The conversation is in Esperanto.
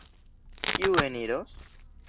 Kiu eniros?